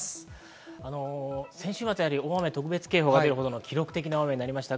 先週末、大雨特別警報が出るほどの記録的な大雨になりました。